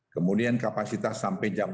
kemudian kapasitas sampai jam dua puluh